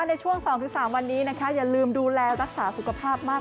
ในช่วง๒๓วันนี้นะคะอย่าลืมดูแลรักษาสุขภาพมาก